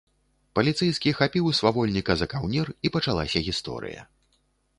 Паліцэйскі хапіў свавольніка за каўнер, і пачалася гісторыя.